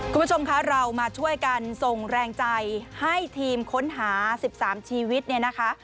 คุณผู้ชมคะเรามาช่วยกันส่งแรงใจให้ทีมค้นหา๑๓ชีวิตเนี่ยนะคะ